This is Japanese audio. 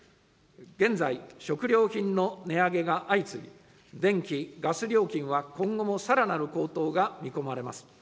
現在、食料品の値上げが相次ぎ、電気・ガス料金は今後もさらなる高騰が見込まれます。